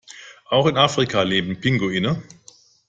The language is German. Auch in Afrika leben Pinguine.